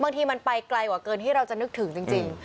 บางทีมันไปไกลกว่าเกินที่เราจะนึกถึงจริง